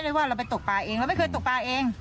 ว่าเราไปตกปลาเองเราไม่เคยตกปลาเอง